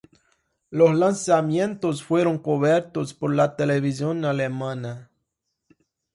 Los lanzamientos fueron cubiertos por la televisión alemana.